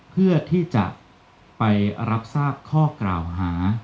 เพื่อที่จะไปรับทราบข้อกล่าวหา